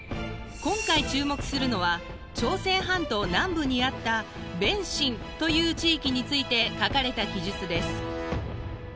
今回注目するのは朝鮮半島南部にあった弁辰という地域について書かれた記述です。